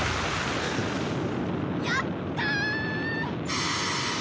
やったー！